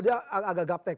dia agak gapek